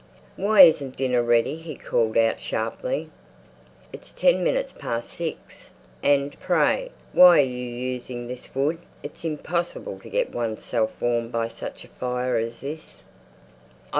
"Why isn't dinner ready?" he called out sharply. "It's ten minutes past six. And, pray, why are you using this wood? It's impossible to get oneself warm by such a fire as this."